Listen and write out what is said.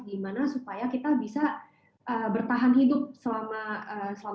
gimana supaya kita bisa bertahan hidup selama